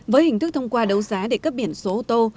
với hình thức thông qua đấu giá để cấp biển số ô tô